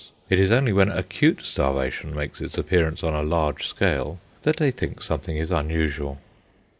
It is only when acute starvation makes its appearance on a large scale that they think something is unusual.